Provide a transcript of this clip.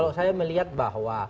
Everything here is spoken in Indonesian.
kalau saya melihat bahwa